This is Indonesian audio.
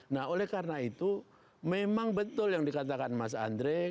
nah oleh karena itu memang betul yang dikatakan mas andre